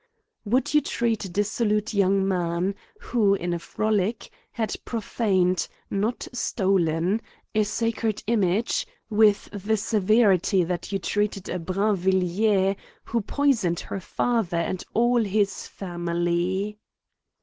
• Would you treat a dissolute young man, who, in a frolic, had profaned, not stolen, a sacred image, with the severity that you treated a Brinvil" liers^ who poisoned her father and all his family